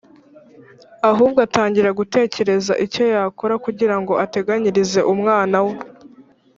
Ahubwo atangira gutekereza icyo yakora kugira ngo ateganyirize umwana we.